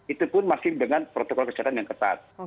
itu pun masih dengan protokol kesehatan yang ketat